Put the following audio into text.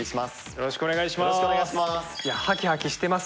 よろしくお願いします。